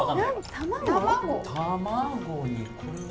卵にこれは。